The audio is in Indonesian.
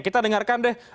kita dengarkan deh